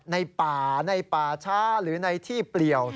ในป่าในป่าช้าหรือในที่เปลี่ยว